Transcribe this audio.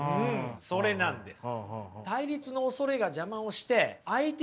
それなんです。